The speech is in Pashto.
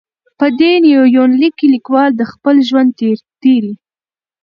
په دې یونلیک کې لیکوال د خپل ژوند تېرې.